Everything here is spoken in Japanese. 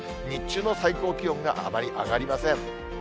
日中の最高気温が、あまり上がりません。